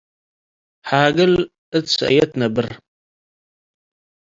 ሓግል እት ሰእየት ነብር።